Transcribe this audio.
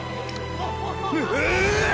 うわ！